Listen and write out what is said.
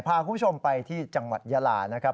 พาคุณผู้ชมไปที่จังหวัดยาลานะครับ